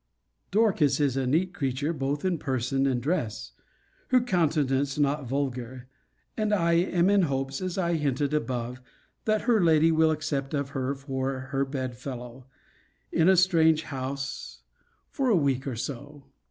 Dorcas is a neat creature, both in person and dress; her continuance not vulgar. And I am in hopes, as I hinted above, that her lady will accept of her for her bedfellow, in a strange house, for a week or so.